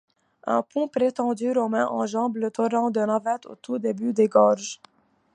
Un pont prétendu romain enjambe le torrent de Navette au tout début des gorges.